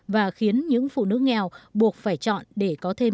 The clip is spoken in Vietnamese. và khiến những phụ nữ nghèo buộc phải trả tiền